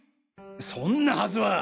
そんなはずは。